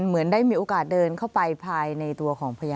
เหมือนได้มีโอกาสเดินเข้าไปภายในตัวของพญา